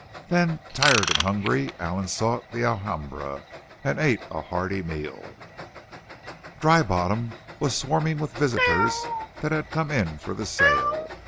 Then, tired and hungry, Allen sought the Alhambra and ate a hearty meal. Dry Bottom was swarming with visitors that had come in for the sale.